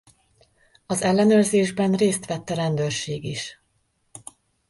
Az ellenőrzésben részt vett a rendőrség is.